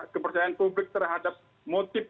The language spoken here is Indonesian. kepercayaan publik terhadap motif